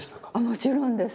もちろんです。